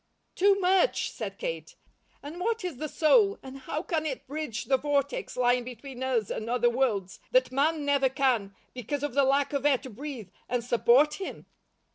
"Too much!" said Kate. "And what IS the soul, and HOW can it bridge the vortex lying between us and other worlds, that man never can, because of the lack of air to breathe, and support him?"